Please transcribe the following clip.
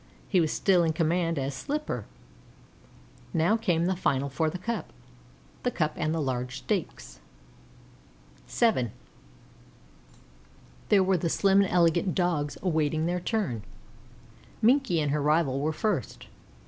He was still in command as slipper. Now came the final for the cup the cup and the large stakes. VII There were the slim and elegant Dogs awaiting their turn. Minkie and her rival were first.